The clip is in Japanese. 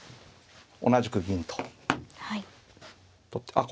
あっ